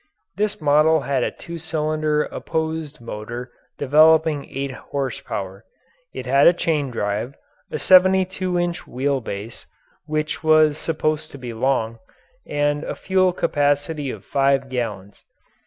This model had a two cylinder opposed motor developing eight horsepower. It had a chain drive, a seventy two inch wheel base which was supposed to be long and a fuel capacity of five gallons.